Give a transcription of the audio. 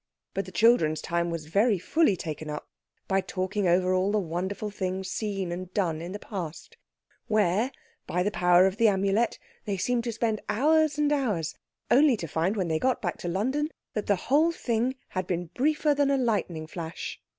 But the children's time was very fully taken up by talking over all the wonderful things seen and done in the Past, where, by the power of the Amulet, they seemed to spend hours and hours, only to find when they got back to London that the whole thing had been briefer than a lightning flash.